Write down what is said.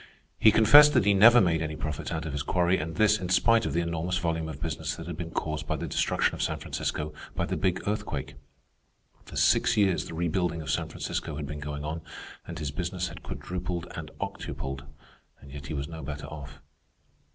He confessed that he never made any profits out of his quarry, and this, in spite of the enormous volume of business that had been caused by the destruction of San Francisco by the big earthquake. For six years the rebuilding of San Francisco had been going on, and his business had quadrupled and octupled, and yet he was no better off.